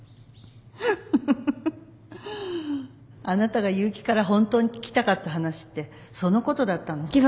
あなたが結城からホントに聞きたかった話ってそのことだったの？